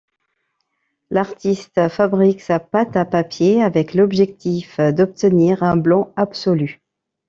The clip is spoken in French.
L'artiste fabrique sa pâte à papier avec l'objectif d'obtenir un blanc absolu.